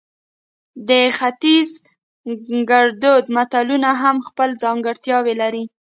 د ختیز ګړدود متلونه هم خپل ځانګړتیاوې لري